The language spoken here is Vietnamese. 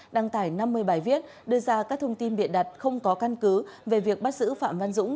đăng tải năm mươi bài viết đưa ra các thông tin biện đặt không có căn cứ về việc bắt giữ phạm văn dũng